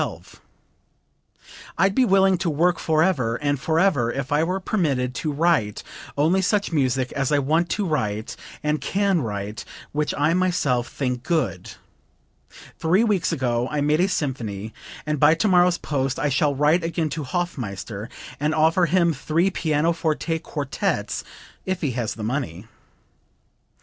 "I'd be willing to work forever and forever if I were permitted to write only such music as I want to write and can write which I myself think good. Three weeks ago I made a symphony, and by tomorrow's post I shall write again to Hofmeister and offer him three pianoforte quartets, if he has the money."